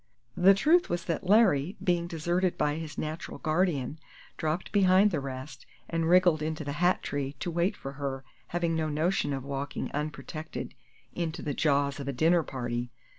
The truth was that Larry, being deserted by his natural guardian, dropped behind the rest, and wriggled into the hat tree to wait for her, having no notion of walking unprotected into the jaws of a dinner party.